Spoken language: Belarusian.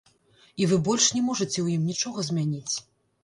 І вы больш не можаце ў ім нічога змяніць.